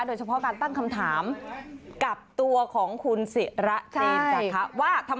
โดยเฉพาะการตั้งคำถามกับตัวของคุณสิระจริงจริงค่ะ